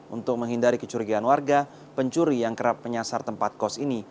untuk menghindari kecurigaan warga pencuri yang kerap menyasar tempat kos ini